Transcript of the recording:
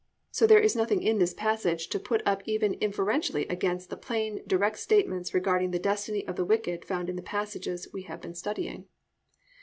So there is nothing in this passage to put up even inferentially against the plain, direct statements regarding the destiny of the wicked found in the passages we have been studying.